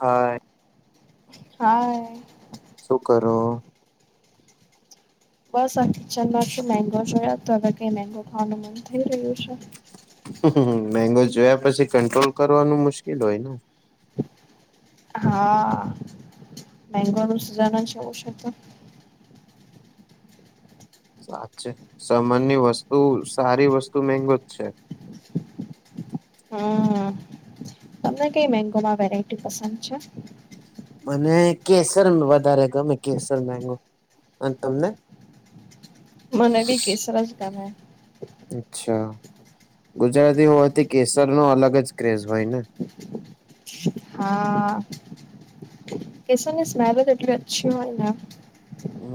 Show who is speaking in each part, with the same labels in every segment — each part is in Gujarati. Speaker 1: હા
Speaker 2: હા.
Speaker 1: શું કરો?
Speaker 2: બસ આ કિચનમાં છું, મેગો જોયા તો હવે કઈ મેગો ખાવાનું મન થઈ રહ્યું છે.
Speaker 1: મેંગો જોયા? પછી કંટ્રોલ કરવાનું મુશ્કેલ હોય ને.
Speaker 2: હા મેગો નું સિઝન એવુ છે તે.
Speaker 1: સાચ છે સમાનની વસ્તુ સારી વસ્તુ મેગો જ છે.
Speaker 2: હમ્મ તમને કઈ મેગોમાં વેરાયટી પસંદ છે.
Speaker 1: મને કેસર વધારે ગમે કેસર મેગો અને તમને?
Speaker 2: મને ભી કેસર જ ગમે
Speaker 1: અચ્છા ગુજરાતી હોવાથી કેસર નો અલગ જ ક્રેઝ હોય ને.
Speaker 2: હા કેશરની સ્મેલજ એટલી અછી હોય ને.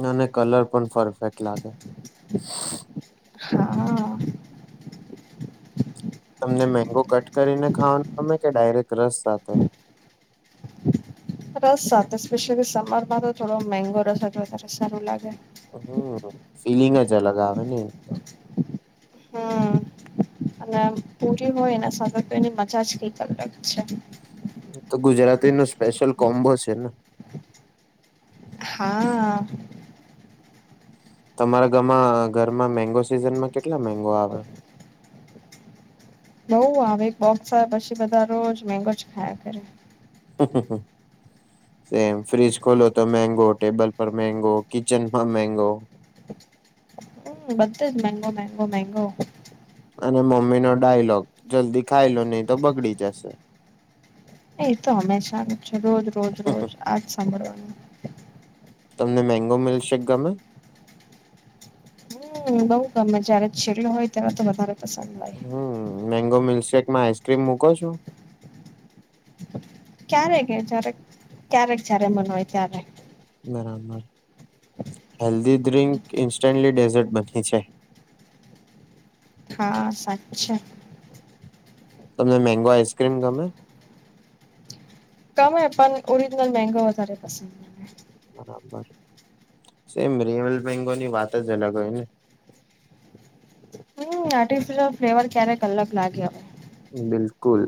Speaker 1: અને કલર પણ પરફેક્ટ લાગે
Speaker 2: હા
Speaker 1: તમને મેગો કટ કરીને ખાવાનો ગમે કે ડાયરેક્ટ રસ સાથે?
Speaker 2: રસ સાથે સ્પેશિયલી સમરમાં તો થોડો મંગો રસ હો વધારે સારું લાગે.
Speaker 1: હમ ફીલિંગ જ અલગ આવે એની તો.
Speaker 2: હમ અને પૂરી હોય એના સાથે તો એની મજા જ કઈક અલગ છે.
Speaker 1: તો ગુજરાતી નુ સ્પેશિયલ કોમ્બો છે ને.
Speaker 2: હા
Speaker 1: તમારા ગામા ઘરમાં મેગો સિઝનમાં કેટલા મેગો આવે?
Speaker 2: બઉ આવે એક બોક્સ આવે પછી બધા રોજ મેગો જ ખાયા કરે.
Speaker 1: [unintelligible] સેમ ફ્રીજ ખોલો તો મેંગો ટેબલ પર મેગો કિચનમાં મેગો
Speaker 2: બધે જ મગો મંગો મંગો.
Speaker 1: અને મમ્મી નો ડાયલોગ જલ્દી ખાય લો નહી તો બગડી જશે.
Speaker 2: એ તો હંમેશા નુ છે રોજ રોજ રોજ આજ સાંભળવાનું.
Speaker 1: તમને મેગો સેક ગમે?
Speaker 2: હમ બઉુ ગમે જયારે છેલ્લો હોય ત્યારે તો વધારે પસંદ.
Speaker 1: હમ
Speaker 2: [unintelligible]
Speaker 1: મેંગો મિલ્કશેેકમાં આઈસક્રીમ મૂકો છો?
Speaker 2: ક્યારે કે જ્યારે ક્યારેક જયારે મન હોય ત્યારે.
Speaker 1: બરાબર હેલ્ધી ડ્રિંક ઈન્સ્ટન્ટલી ડેઝર્ટ બની જાય.
Speaker 2: હા સાચે.
Speaker 1: તમને મેગો આઈસક્રીમ ગમે?
Speaker 2: ગમે પણ ઓરિજનલ મેગો વધારે પસંદ મને.
Speaker 1: [unintelligible] સેમ રિયલ મેગોની વાત જ અલગ હોય ને
Speaker 2: મને હમ, આર્ટિફિશયલ ફ્લેવર ક્યારેક કલાક નાકીય.
Speaker 1: બિલકુલ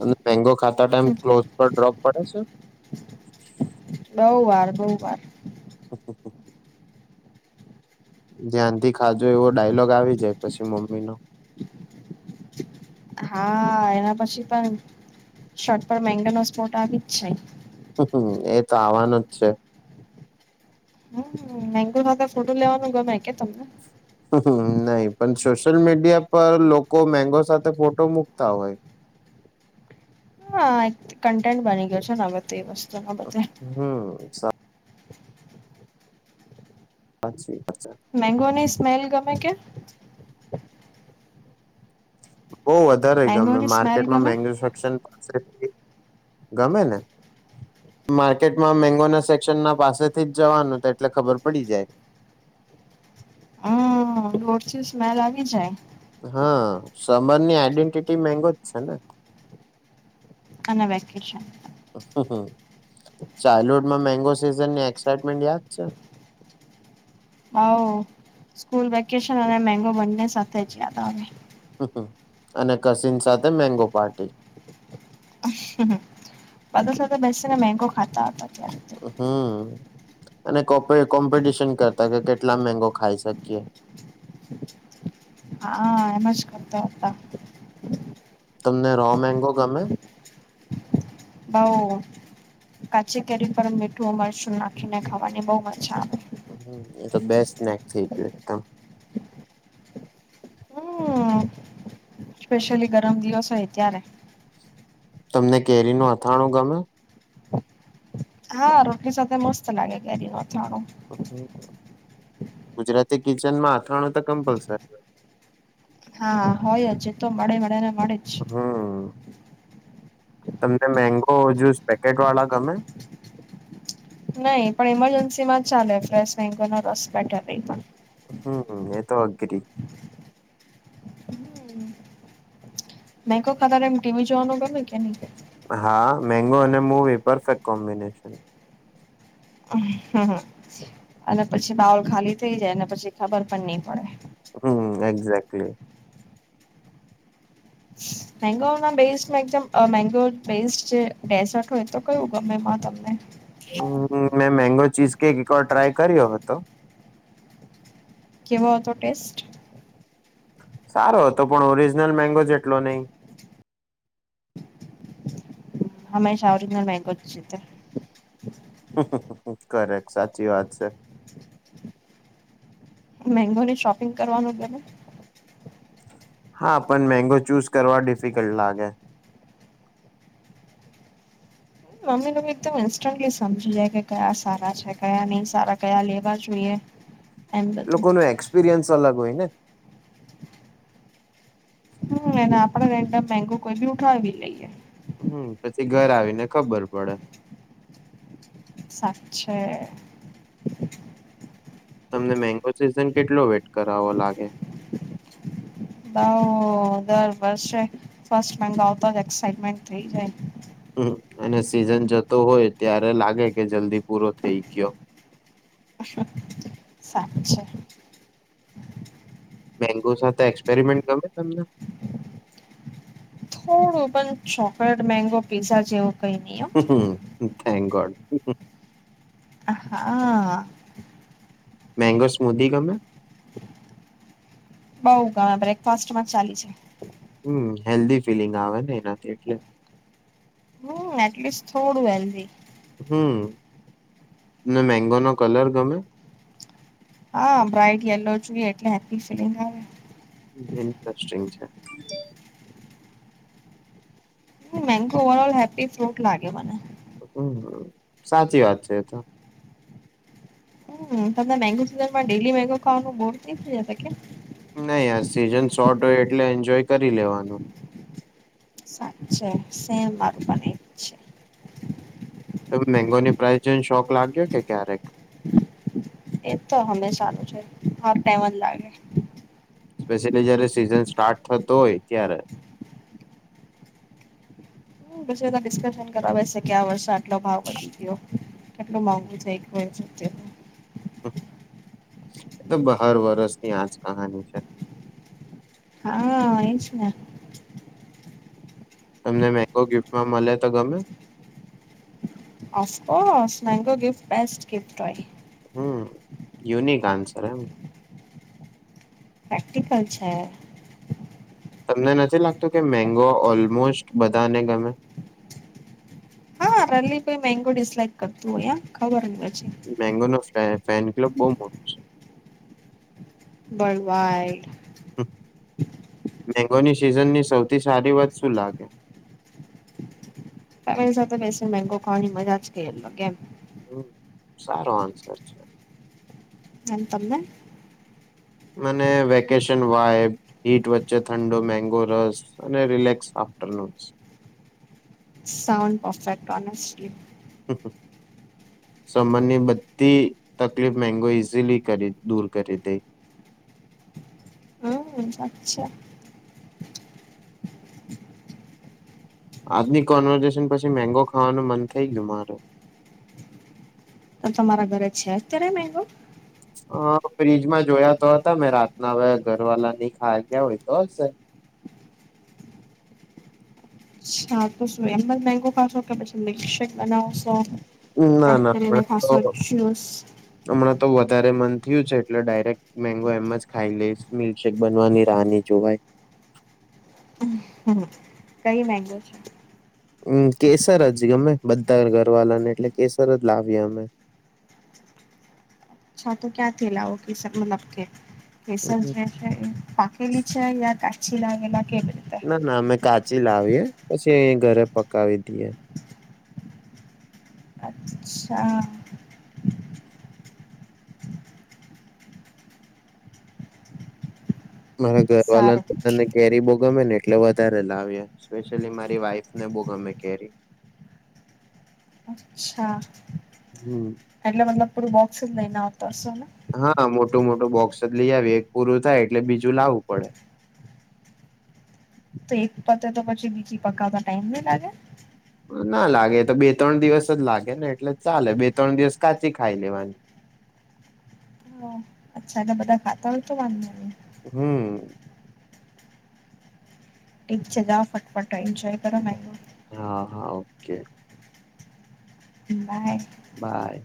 Speaker 1: અને મેંગો ખાતા ટાઈમ
Speaker 2: હમ
Speaker 1: ક્લોઝ પર ડ્રોપ પડે છે
Speaker 2: બહુ વાર બહુ વાર
Speaker 1: અઅ ધ્યાનથી ખાજો એવો ડાયલોગ આવી જાય પછી મમ્મી નો
Speaker 2: હા એના પછી પણ શર્ટ પર મેગાનો સ્પોટ આવી જ છે
Speaker 1: હમ એ તો આવવાનું જ છે
Speaker 2: મેગુ સાથે ફતો લેવાનું ગમે, કે તમને.
Speaker 1: હમ્મ, હમ્મ, નહી પણ સોશિયલ મીડિયા પર લોકો મેંગો સાથે ફોટો મુકતા હોય.
Speaker 2: હા એક કન્ટેન્ટ બની ગયો છે ને અવે તો એ બસ
Speaker 1: અ હમ સારું અચછી અચછ
Speaker 2: મેગોની સ્મેલ ગમે કે.
Speaker 1: બઉ વધારે ગમે
Speaker 2: મેંગોની સ્મેલ
Speaker 1: માર્કેટમાં.
Speaker 2: ગમે
Speaker 1: [unintelligible] [unintelligible] ગમે ને માર્કેટમાં મેગો ના સેક્શન ના પાસેથી જ જવાનું તો એટલે ખબર પડી જાય
Speaker 2: રોડથી સ્મેલ આવી જાય
Speaker 1: હા, સમર ની આઈડેન્ટિટી મેગોજ છેને.
Speaker 2: અનેના વેકેશન.
Speaker 1: હાં હાં ચાઇલ્ડ હુડમાં મેંગો સિઝનની એક્સાઈટમેન્ટ યાદ છે
Speaker 2: હ સ્કૂલ વેકેશન અને મેગો બંને સાથે જ યાદ આવે
Speaker 1: હં અને કસીન સાથે મેંગો પાર્ટી
Speaker 2: બધા સાથે બેસીને મેંગો ખાતા હતા ત્યારે તો
Speaker 1: હમ અને કોક તો કોમ્પિટિશન કરતા કે કેટલા મેગો ખાઈ શકીએ
Speaker 2: હા એમજ કરતા હતા
Speaker 1: તમને રો મગો ગમે.
Speaker 2: બૌ કાચી કેરી પર મીઠું અને મરચું નાખીને ખાવાની બહુ મજા આવે
Speaker 1: હમ્મ. એ તો બેસ્ટ નેક થઇ ગયું એકદમ
Speaker 2: હમ સ્પેશિયલી ગરમ દિવસ હોય, ત્યારે.
Speaker 1: તમને કેરી ન અથાણું ગમે?
Speaker 2: હા રોટલી સાથે મસ્ત લાગે એટલે દિ જાણો.
Speaker 1: ગુજરાતી કિચનમાં અથાણું તો કમ્પલસરી હોય
Speaker 2: હા હોય હજ તો મળે મળે ને મળે જ.
Speaker 1: હમ તમને મેંગો જુસ પેકેટ વાળા ગમે?
Speaker 2: નહી પણ ઇમરજન્સી માં જ ચાલે ફલેસ મે ન રસ બેટર નહી પણ.
Speaker 1: હહ એ તો અઘરી
Speaker 2: નહી કો ખતર એમ ટીમી જોવાનું બને કે નહી?
Speaker 1: હા મેંગો અને મૂવી પરફેક્ટ કોમ્બિનેશન
Speaker 2: હમ અને પછી બાઉલ ખાલી થઇ જાય પછી ખબર પણ નઈ પડે
Speaker 1: એક્ઝે્ટલી
Speaker 2: મેગો ના બેસ્ટ એકદમ મેગો બેસ્ટ જે ડેઝર્ટ હોય તો કયું ગમે તમને
Speaker 1: હમ્મ મે મેંગો ચીઝ કેક એક વાર ટ્રાય કર્યો હતો.
Speaker 2: કેવો હતો ટેસ્ટ
Speaker 1: સારો હતો પણ ઓરિજનલ મેંગો જેટલો નહિ
Speaker 2: હંમેશા ઓરીજનલ મેંગો
Speaker 1: [unintelligible] કરેક્ટ સાચી વાત છે.
Speaker 2: મેંગો ની શોપિંગ કરવાનું
Speaker 1: હા પણ મેગો ચૂઝ કરવા ડિફિકલ્ટ લાગે
Speaker 2: મમ્મી લોકો એકદમ ઇન્સ્ટન્ટલી સમજી જાય કે કયા સારા છે કયા નહી સારા કયા લેવા જોઈએ. એમ
Speaker 1: એ
Speaker 2: બધું.
Speaker 1: લોકો ન એક્સપિરિયન્સ અલગ હોય ને
Speaker 2: હમ્મ એ આપડે [unintelligible] કોઈ બી ઉઠાવી લઈએ
Speaker 1: હમ્મ. થી ઘર આવીને ખબર પડે.
Speaker 2: સાચે
Speaker 1: તમને મેંગો ચુઝન કેટલો વેટ કરાવો લાગે?
Speaker 2: દવ દર વર્ષે ફર્સ્ટ મેંગો આવતા જ એક્સઇટમેન્ટ થઈ જાય.
Speaker 1: હમ્મ અને સિઝન જતો હોય ત્યારે લાગે કે જલ્દી પૂરો થઈ ગયો.
Speaker 2: સાચે
Speaker 1: મેંગો સાથે એક્સપેરિમેન્ટ ગમે તમને
Speaker 2: હમ્મ પણ ચોકલેટ મેંગો કેસર જેવું કઈ નહિ અ
Speaker 1: થેન્ક ગોડ
Speaker 2: આહ
Speaker 1: મેગો સ્મૂધી ગમે
Speaker 2: બઉ ગમે બ્રેકફાસ્ટમાં ચાલી જાય
Speaker 1: હમ્મ હેલ્ધી ફિલિંગ આવે ને એનાથી એટલે
Speaker 2: હમ્મ એટલીસ્ટ થોડું હેલ્ધી
Speaker 1: હમ્મ ને મેંગો નો કલર ગમ્યો
Speaker 2: હા બ્રઇટ યલો જોઈએ એટલે હેપ્પી ફીલિંગ આવે.
Speaker 1: ઇન્ટરેસ્ટિંગ છે.
Speaker 2: મેંગો વાળો હેપી ફ્રુટ લાગે મને
Speaker 1: હમ્મ સાચી વાત છે એ તો.
Speaker 2: હમ્મ તમને મેગો સીઝન માં ડેલી મેગો ખાવાનું બોર [unintelligible]
Speaker 1: નહી આ સિઝન શોર્ટ હોય એટલે એન્જોય કરી લેવાનું
Speaker 2: છે સેમ મારું પણ નીચ
Speaker 1: તમને મેંગોની પ્રાઇસ જોઈને શોખ લાગ્યો કે ક્યારેક
Speaker 2: એ તો હંમેશા નું છે હ ટમ જ લાગે
Speaker 1: સ્પેશિયલી જયારે સિઝન સ્ટાર્ટ થતો હોય ત્યારે.
Speaker 2: પછી એ તો ડિસ્કશન કરવા બેસે કે આ વર્ષે આટલો ભાવ વધી ગયો કેટલું મોંઘું થઈ ગું [unintelligible]
Speaker 1: એ તો બ હર વરષની આજ કહાની છે.
Speaker 2: હા એ જ ને.
Speaker 1: તમને મેંગો ગિફ્ટમાં મળે તો ગમે
Speaker 2: of course mango gift best gift હોય.
Speaker 1: હમ્મ યુનિક આન્સર એમ
Speaker 2: પ્રેક્ટિકલ છે.
Speaker 1: તમને નથી લાગતું કે, મેગો ઓલમોસ્ટ બધાને ગમે.
Speaker 2: હા રલી કોઈ મેંગો ડિસલાઈક કરતું હોય. યા ખબર જ
Speaker 1: મેંગો નો ફેન ક્લબ બહુ મોટો છે.
Speaker 2: બળવાઈ
Speaker 1: મેંગોની સિઝનની સૌથી સારી વાત શું લાગે?
Speaker 2: મારી સાથે બેસી મેંગો ખવાની મજા જ કે અલગ કેમ!
Speaker 1: સારો આન્સર છે.
Speaker 2: એમ તમને
Speaker 1: મને વેકેશન વાઇબ હીટ વચ્ચે ઠંડો મેગો રસ અને relax afternoons.
Speaker 2: Sound perfect honestly.
Speaker 1: સંબંધની બધી તકલીફ મેંગો ઈઝીલી કરી દૂર કરી દેય.
Speaker 2: હમ અચ્છા.
Speaker 1: આજની કોન્વર્ઝેશન પછી મેંગો ખાવાનું મન થઈ ગયું મારું.
Speaker 2: તો તમારા ઘરે છે અત્યારે મેંગો?
Speaker 1: અ ફ્ર્રીજમાં જોયા તો હતા, મેં રાતના હવે ઘરવાલા ની ખાય ગયા હોય તો હશે.
Speaker 2: હા તો શું એમ જ મેંગો ખાશો કે, પછી મિલ્કશેેક બનાવશો?
Speaker 1: ના
Speaker 2: કટ
Speaker 1: ના
Speaker 2: કરીને
Speaker 1: હમણાં
Speaker 2: ખાસો
Speaker 1: તો
Speaker 2: જુસ
Speaker 1: હમણાં તો વધારે મન થયું છે. એટલે ડાયરેક્ટ મેગો એમ જ ખાઈ લઈશ. મિલ્કશેેક બનવાની રાહની જોવાય.
Speaker 2: કઈ મેગો છે.
Speaker 1: હમ્મ કેસર જ ગમે બધા ઘરવાળાને એટલે કેસર જ લાવ્યાએ અમે.
Speaker 2: અચ્છા તો ક્યા થી લાવો કેસર મતલબ કે? કેસર જે છે એ પાાકેલી છે યા કાં ચી લાગે ના કે [unintelligible]
Speaker 1: ના ના અમે કાચી લાવીએ પછી એ ઘરે પકાવી દઈએ.
Speaker 2: અચ્છા.
Speaker 1: મારા ઘરવાળલાને
Speaker 2: સારું
Speaker 1: બધા ને કેરી બો ગમેને એટલે વધારે લાવીએ, સ્પેશિયલી મારી વાઈફને બહુ ગમે કેરી.
Speaker 2: અચ્છા.
Speaker 1: હમ.
Speaker 2: એટલે મતલબ પૂરું બોક્સ જ લઈને આવ. બસોના
Speaker 1: હા
Speaker 2: [unintelligible]
Speaker 1: મોટું મોટું બોક્સ જ લઈ આવીએ. એક પૂરું થાય એટલે બીજું લાવવું પડે.
Speaker 2: તો એક પતે તો પછી બીજી પકાવતા ટાઈમ નહી લાગે?
Speaker 1: ના લાગે એ તો બે ત્રણ દિવસ જ લાગેને એટલે ચાલે, બે ત્રણ દિવસ કાચી ખાઈ લેવાની.
Speaker 2: હા. અચ્છા એટલે બધા ખાતા હોય તો વાંધ નય.
Speaker 1: હમ્મ.
Speaker 2: ઠીક છે. જા ફટફટ એન્જોય કરો ને
Speaker 1: હા હા ઓકે.
Speaker 2: બાય.
Speaker 1: બાય.